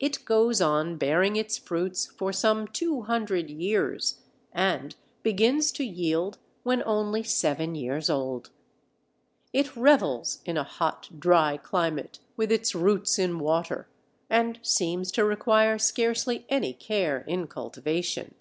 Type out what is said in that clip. It goes on bearing its fruits for some two hundred years, and begins to yield when only seven years old. It revels in a hot, dry climate with its roots in water, and seems to require scarcely any care in cultivation.